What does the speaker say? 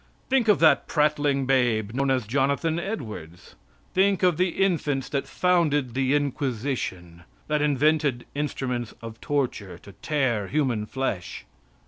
Think of that prattling babe known as Jonathan Edwards! Think of the infants that founded the Inquisition, that invented instruments of torture to tear human flesh.